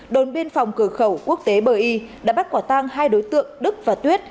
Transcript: đồn biên phòng cửa khẩu quốc tế bờ y đã bắt quả tang hai đối tượng đức và tuyết